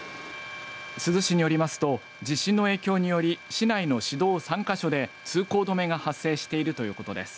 珠洲市によりますと地震の影響により市内の市道３か所で通行止めが発生しているということです。